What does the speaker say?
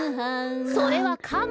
それはカモ！